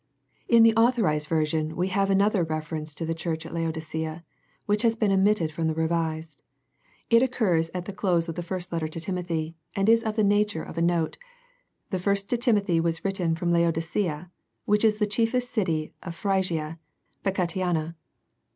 In the Authorized Version we have another reference to the church at Laodicea, which has been omitted from the Revised. It occurs at the close of the first letter to Timothy, and is of the nature of a note. " The first to Timo thy was written from Laodicea which is the chiefest city of Phrygia, Pacatiana."